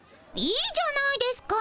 いいじゃないですか。